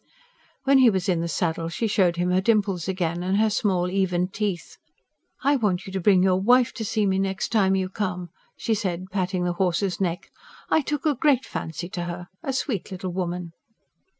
When he was in the saddle she showed him her dimples again, and her small, even teeth. "I want you to bring your wife to see me next time you come," she sad, patting the horse's neck. "I took a great fancy to her a sweet little woman!"